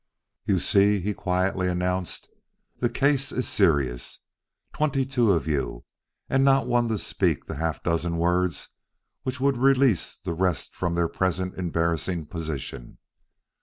"You see," he quietly announced, "the case is serious. Twenty two of you, and not one to speak the half dozen words which would release the rest from their present embarrassing position!